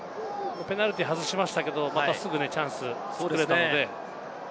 ペナルティーを外しましたけれども、またチャンスをすぐ取れたので。